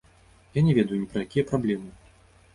Я не ведаю ні пра якія праблемы!